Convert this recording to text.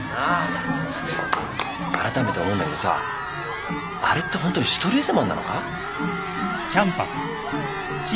改めて思うんだけどさあれってホントにシュトレーゼマンなのか？